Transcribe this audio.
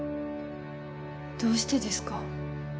どうしてですか？